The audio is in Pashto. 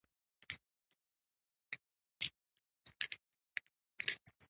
په دین کښي تحریف او بدلون راوستل دي.